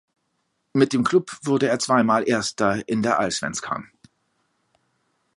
Mit dem Klub wurde er zwei Mal Erster in der Allsvenskan.